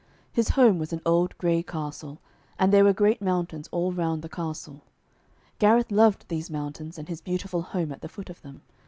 His home was an old grey castle, and there were great mountains all round the castle. Gareth loved these mountains and his beautiful home at the foot of them.